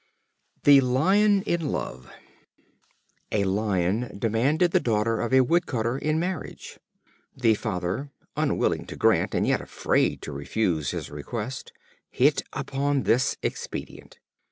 The Lion in Love. A Lion demanded the daughter of a woodcutter in marriage. The Father, unwilling to grant and yet afraid to refuse his request, hit upon this expedient.